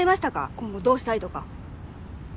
今後どうしたいとか。